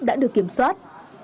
đã được kiểm soát